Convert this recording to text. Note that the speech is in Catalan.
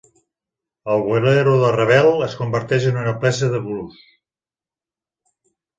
El "Bolero" de Ravel es converteix en una peça de blues.